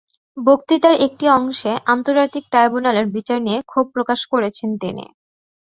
বক্তৃতার একটি অংশে আন্তর্জাতিক ট্রাইব্যুনালের বিচার নিয়ে ক্ষোভ প্রকাশ করেছেন তিনি।